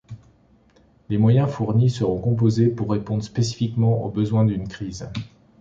Les moyens fournis seront composés pour répondre spécifiquement aux besoins d'une crise.